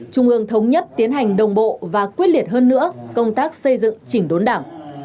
trung ương thống nhất tiến hành đồng bộ và quyết liệt hơn nữa công tác xây dựng chỉnh đốn đảng